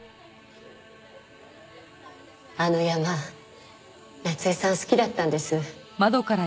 あの山夏恵さん好きだったんです。